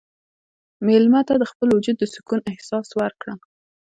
مېلمه ته د خپل وجود د سکون احساس ورکړه.